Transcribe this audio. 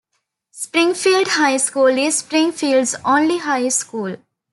Springfield High School is Springfield's only high school.